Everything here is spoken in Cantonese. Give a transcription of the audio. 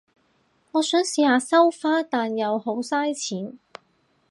都想試下收花，但又好晒錢